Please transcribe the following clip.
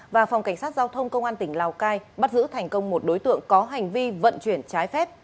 và phòng cảnh sát giao thông công an tỉnh lào cai bắt giữ thành công một đối tượng có hành vi vận chuyển trái phép